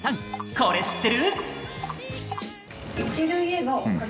これ知ってる？」。